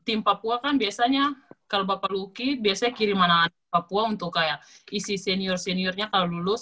tim papua kan biasanya kalau bapak luki biasanya kirim anak anak papua untuk kayak isi senior seniornya kalau lulus